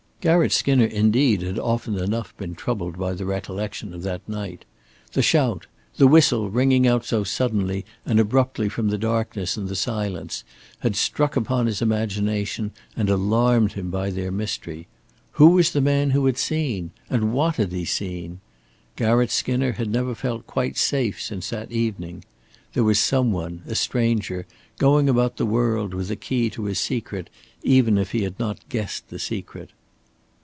Garratt Skinner indeed had often enough been troubled by the recollection of that night. The shout, the whistle ringing out so suddenly and abruptly from the darkness and the silence had struck upon his imagination and alarmed him by their mystery. Who was the man who had seen? And what had he seen? Garratt Skinner had never felt quite safe since that evening. There was some one, a stranger, going about the world with the key to his secret, even if he had not guessed the secret.